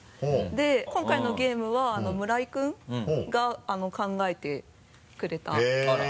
今回のゲームは村井君が考えてくれたゲームです。